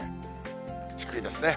低いですね。